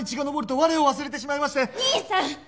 兄さん！